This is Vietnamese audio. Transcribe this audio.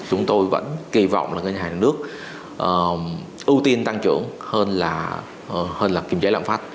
chúng tôi vẫn kỳ vọng là ngân hàng nhà nước ưu tiên tăng trưởng hơn là kiềm chế lãm phát